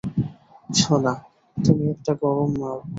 সোনা, তুমি একটা গরম মাল।